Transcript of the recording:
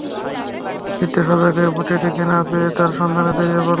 বৃদ্ধ সজাগ হয়ে মূর্তিটিকে না পেয়ে তার সন্ধানে বেরিয়ে পড়ল।